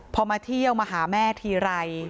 พอมาเที่ยวมาหาแม่ทีไร